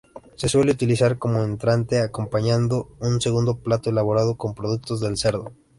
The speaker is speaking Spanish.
Se suele utilizar como entrante, acompañando un segundo plato elaborado con productos del cerdo.